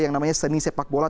yang namanya seni sepak bola